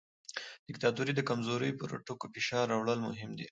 د دیکتاتورۍ د کمزورۍ پر ټکو فشار راوړل مهم دي.